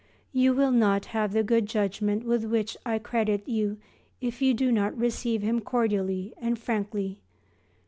You will not have the good judgment with which I credit you if you do not receive him cordially and frankly.